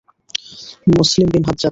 Muslim bin Hajjaj